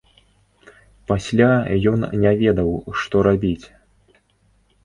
Пасля ён не ведаў, што рабіць.